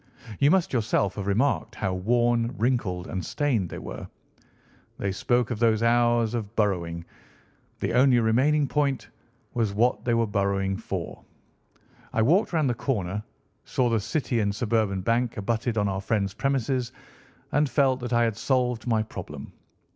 You must yourself have remarked how worn, wrinkled, and stained they were. They spoke of those hours of burrowing. The only remaining point was what they were burrowing for. I walked round the corner, saw the City and Suburban Bank abutted on our friend's premises, and felt that I had solved my problem.